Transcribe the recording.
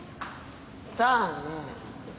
さあね。